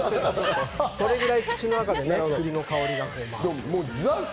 それぐらい口の中で栗の香りがホワっと。